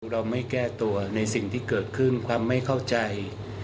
เราไม่แก้ตัวในสิ่งที่เกิดขึ้นความไม่เข้าใจ